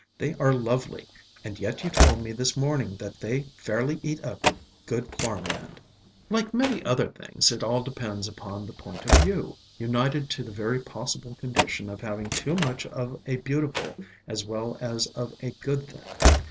They are lovely, and yet you told me this morning that they fairly eat up good farm land." "Like many other things, it all depends upon the point of view, united to the very possible condition of having too much of a beautiful as well as of a good thing.